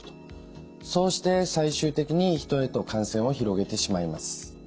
そうして最終的に人へと感染を広げてしまいます。